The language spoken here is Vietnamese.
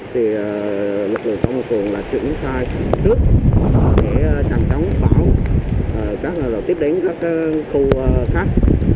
thì lực lượng trong phường là chuyển thai trước để chẳng chống bão tiếp đến các khu khác